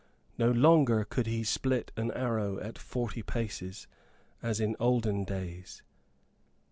No longer could he split an arrow at forty paces, as in olden days.